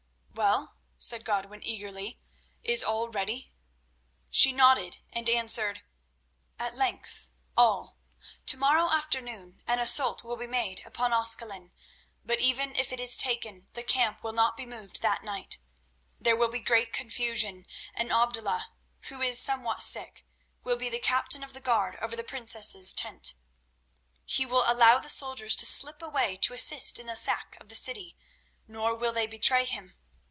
"Well," said Godwin eagerly, "is all ready?" She nodded and answered: "At length, all. To morrow afternoon an assault will be made upon Ascalon, but even if it is taken the camp will not be moved that night. There will be great confusion, and Abdullah, who is somewhat sick, will be the captain of the guard over the princess's tent. He will allow the soldiers to slip away to assist in the sack of the city, nor will they betray him.